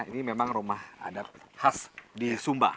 ini memang rumah adat khas di sumba